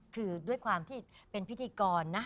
คือด้วยความที่เป็นพิธีกรนะ